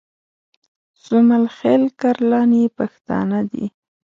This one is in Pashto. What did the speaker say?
سومل خېل کرلاني پښتانه دي